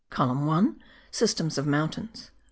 COLUMN 1 : SYSTEMS OF MOUNTAINS.